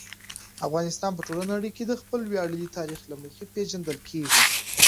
افغانستان په ټوله نړۍ کې د خپل ویاړلي تاریخ له مخې پېژندل کېږي.